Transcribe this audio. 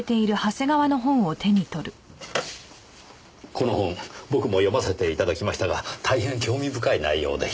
この本僕も読ませて頂きましたが大変興味深い内容でした。